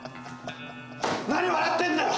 何笑ってんだよ！